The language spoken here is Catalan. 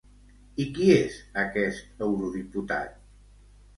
I qui és aquest eurodiputat?